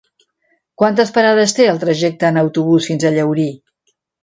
Quantes parades té el trajecte en autobús fins a Llaurí?